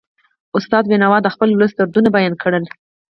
استاد بینوا د خپل ولس دردونه بیان کړل.